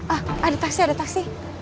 ah ada taksi ada taksi